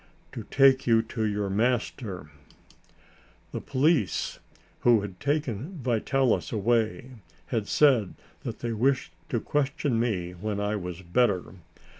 "To take you to your master." The police, who had taken Vitalis away, had said that they wished to question me when I was better.